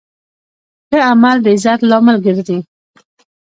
ښه عمل د عزت لامل ګرځي.